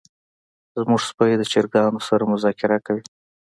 زمونږ سپی د چرګانو سره مذاکره کوي.